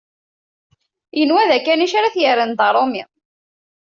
Yenwa d akanic ara t-yerren d aṛumi.